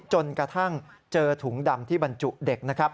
จนกระทั่งเจอถุงดำที่บรรจุเด็กนะครับ